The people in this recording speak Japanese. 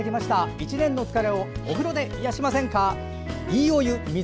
１年の疲れをお風呂で癒やしませんか。